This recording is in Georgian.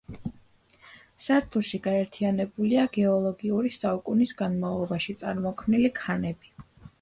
სართულში გაერთიანებულია გეოლოგიური საუკუნის განმავლობაში წარმოქმნილი ქანები.